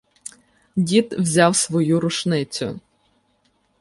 Дід взяв свою рушницю.